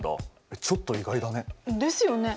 ちょっと意外だね。ですよね。